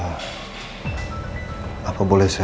bayinya bisa menyusu dengan bayi